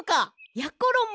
やころも